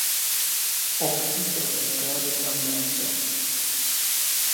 Obcí protéká řeka Meurthe.